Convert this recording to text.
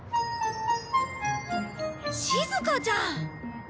しずかちゃん！